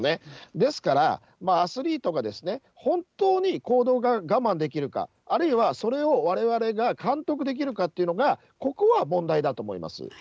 ですから、アスリートが本当に行動が我慢できるか、あるいはそれをわれわれが監督できるかっていうのが、ここは問題だと思います。